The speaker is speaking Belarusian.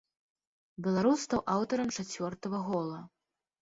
Беларус стаў аўтарам чацвёртага гола.